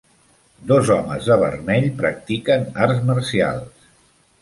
Dos homes de vermell practiquen arts marcials.